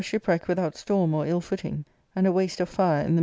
shipwreck without storm or ill footing; and^jgaste Ol^re in the.